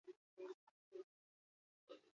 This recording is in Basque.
Anaia Aitor futbolaria ere bazen.